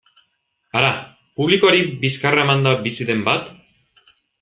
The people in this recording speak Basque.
Hara, publikoari bizkarra emanda bizi den bat?